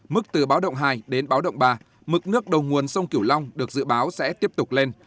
mức từ báo động hai đến báo động ba mực nước đầu nguồn sông kiểu long được dự báo sẽ tiếp tục lên